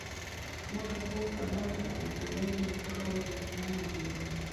Mwaka huo Kabaka alikubali mkataba wa ushirikiano na Uingereza